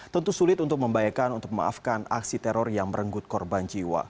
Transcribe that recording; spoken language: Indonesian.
tentu sulit untuk membayakan untuk memaafkan aksi teror yang merenggut korban jiwa